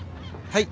はい。